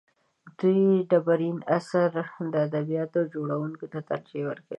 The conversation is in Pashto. دوی ډبرین عصر د اديانو جوړونکو ته ترجیح ورکوي.